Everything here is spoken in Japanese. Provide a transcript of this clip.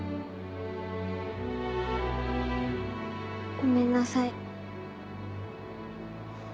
ごめんなさい。